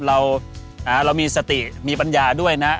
เรามีสติมีปัญญาด้วยนะ